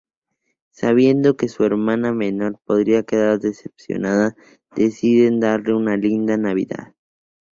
Sabiendo que su hermana menor podría quedar decepcionada, deciden darle una linda Navidad.